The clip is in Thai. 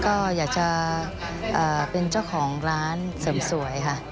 ก็อยากจะเป็นเจ้าของร้านเสริมสวยค่ะ